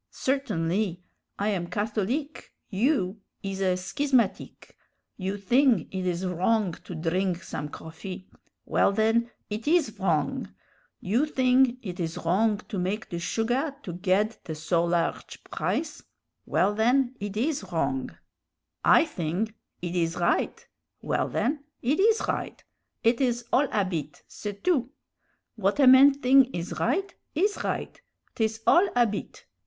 Certainlee! I am a Catholique, you is a schismatique: you thing it is wrong to dring some coffee well, then, it is wrong; you thing it is wrong to make the sugah to ged the so large price well, then, it is wrong; I thing it is right well, then, it is right: it is all 'abit; c'est tout. What a man thing is right, is right; 'tis all 'abit.